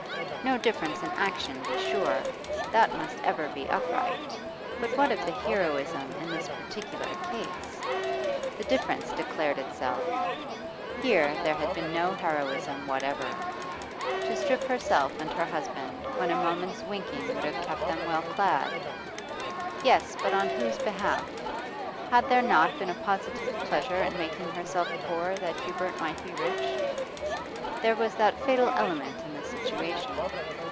No difference in action, be sure; that must ever be upright But what of the heroism in this particular case? The difference declared itself; here there had been no heroism whatever. To strip herself and her husband when a moment's winking would have kept them well clad? Yes, but on whose behalf? Had there not been a positive pleasure in making herself poor that Hubert might be rich? There was the fatal element in the situation.